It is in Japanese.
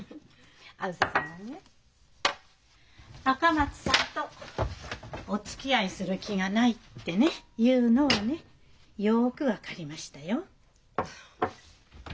あづささんがね赤松さんとおつきあいする気がないってねいうのはねよく分かりましたよ。